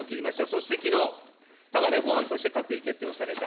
そしてきのう、束ね法案として閣議決定をされた。